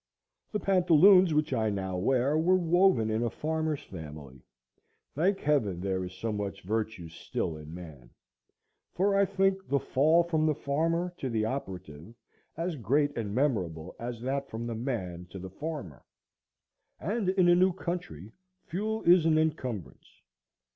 The pantaloons which I now wear were woven in a farmer's family,—thank Heaven there is so much virtue still in man; for I think the fall from the farmer to the operative as great and memorable as that from the man to the farmer;—and in a new country, fuel is an encumbrance.